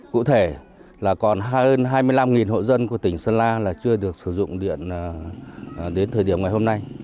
cụ thể là còn hơn hai mươi năm hộ dân của tỉnh sơn la là chưa được sử dụng điện đến thời điểm ngày hôm nay